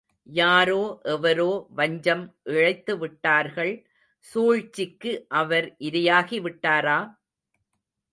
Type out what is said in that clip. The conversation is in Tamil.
யாரோ எவரோ வஞ்சம் இழைத்துவிட்டார்கள் சூழ்ச்சிக்கு அவர் இரையாகி விட்டாரா?